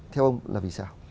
theo ông là vì sao